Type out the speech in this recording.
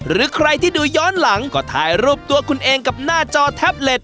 หรือใครที่ดูย้อนหลังก็ถ่ายรูปตัวคุณเองกับหน้าจอแท็บเล็ต